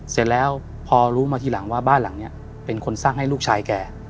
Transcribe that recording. เสร็จแล้วพอรู้มาทีหลังว่าบ้านหลังนี้เป็นคนสร้างให้ลูกชายแก